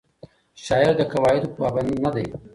شاعر د قواعدو پابند نه دی.